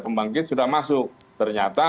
pembangkit sudah masuk ternyata